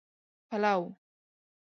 پلو